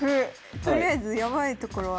とりあえずヤバいところは。